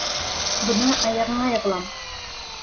Бына аяғыңа йығылам!